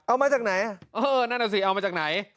เอามาจากไหนเออนั่นน่ะสิเอามาจากไหน